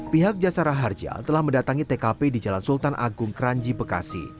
pihak jasara harja telah mendatangi tkp di jalan sultan agung kranji bekasi